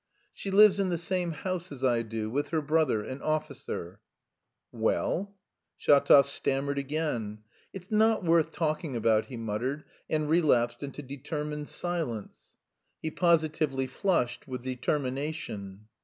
"She lives in the same house as I do... with her brother... an officer." "Well?" Shatov stammered again. "It's not worth talking about..." he muttered, and relapsed into determined silence. He positively flushed with determination.